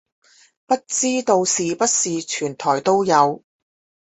不知道是不是全台都有